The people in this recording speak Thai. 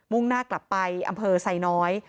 ่งหน้ากลับไปอำเภอไซน้อย